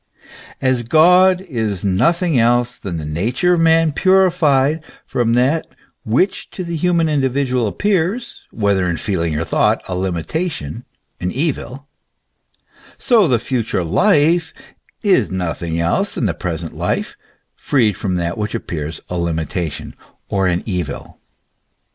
As God is nothing else than the nature of man purified from that which to the human individual appears, whether in feeling or thought, a limitation, an evil ; so the future life is nothing else than the present life, freed from that which appears a limit ation or an evil.